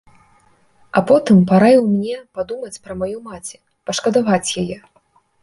А потым параіў мне падумаць пра маю маці, пашкадаваць яе.